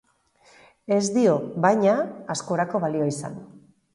Ez dio, baina, askorako balio izan.